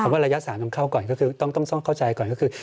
เพราะว่าระยะ๓ต้องเข้าใจก่อนก็คือ